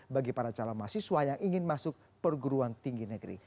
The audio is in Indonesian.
bagi para calon mahasiswa yang ingin masuk perguruan tinggi negeri